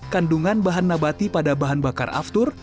kandungan bahan nabati pada bahan bakar aftur